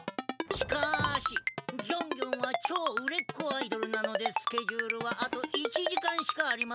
しかしギョンギョンはちょううれっこアイドルなのでスケジュールはあと１じかんしかありませんな。